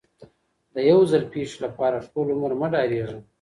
د یو ځل پیښې لپاره ټول عمر مه ډارېږه.